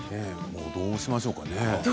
どうしましょうかね？